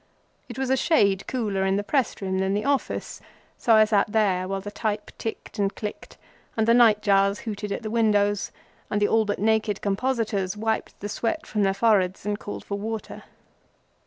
It was a shade cooler in the press room than the office, so I sat there, while the type ticked and clicked, and the night jars hooted at the windows, and the all but naked compositors wiped the sweat from their foreheads and called for water.